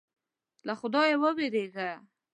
له خدایه وېرېږي.